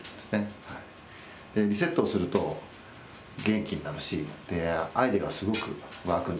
リセットをすると元気になるしアイデアがすごく湧くんです。